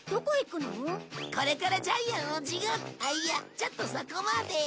これからジャイアンをじごあっいやちょっとそこまで。